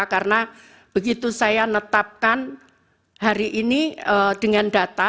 karena begitu saya menetapkan hari ini dengan data